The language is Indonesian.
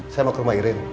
saya mau ke rumah iren